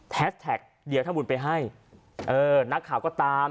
แท็กเดี๋ยวทำบุญไปให้เออนักข่าวก็ตาม